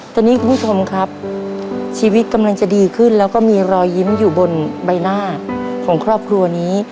ตอนนี้คุณผู้ชมครับชีวิตกำลังจะดีขึ้นแล้วก็มีรอยยิ้มอยู่บนใบหน้าของครอบครัวนี้